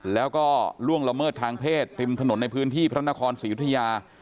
แล้วก็ล่วงละเมิดทางเพศริมถนนในพื้นที่พระนครศรียุธยา